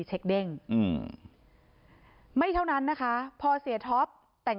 จนแม่ต้องเอาที่ดินมรดก๓แปลง